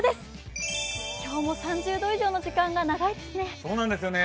今日も３０度以上の時間が長いですね。